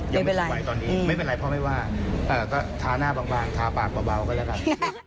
ไม่เป็นไรตอนนี้ไม่เป็นไรเพราะไม่ว่าอ่าก็ทาหน้าบางบางทาปากเบาเบาก็แล้วกัน